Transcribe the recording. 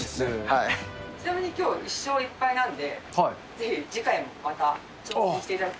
ちなみにきょう、１勝１敗なんで、ぜひ次回もまた挑戦していただいて。